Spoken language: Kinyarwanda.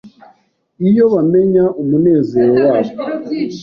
iyo bamenya umunezero wabo